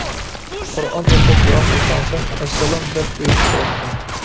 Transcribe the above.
قۇرئان ئوقۇپ دۇئا قىلساڭ سەن، ئەسسالام دەپ ئۆيگە كىرەتتىم.